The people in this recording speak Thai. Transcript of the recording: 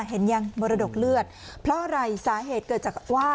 เห็นยังมรดกเลือดเพราะอะไรสาเหตุเกิดจากว่า